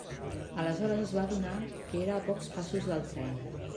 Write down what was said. Aleshores es va adonar que era a pocs passos del tren.